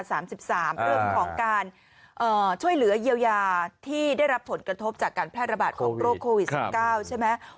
เรื่องของการช่วยเหลือเยียวยาที่ได้รับผลกระทบจากการแพร่ระบาดของโรคโควิด๑๙ใช่ไหม